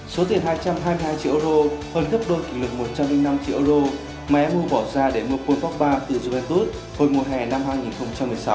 số tiền hai trăm hai mươi hai triệu euro hơn thấp đôi kỷ lực một trăm linh năm triệu euro mà em mua bỏ ra để mua quân pop ba từ juventus hồi mùa hè năm hai nghìn một mươi sáu